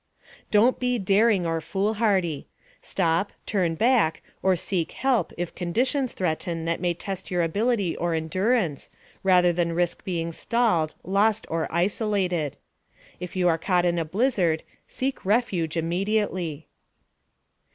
Don't be daring or foolhardy. Stop, turn back, or seek help if conditions threaten that may test your ability or endurance, rather than risk being stalled, lost or isolated. If you are caught in a blizzard, seek refuge immediately.